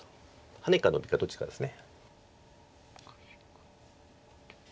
ハネかノビかどっちかです。